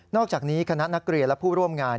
อกจากนี้คณะนักเรียนและผู้ร่วมงาน